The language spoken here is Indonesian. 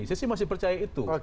saya sih masih percaya itu